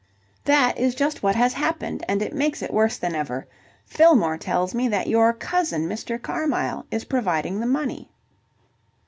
"That is just what has happened, and it makes it worse than ever. Fillmore tells me that your cousin, Mr. Carmyle, is providing the money."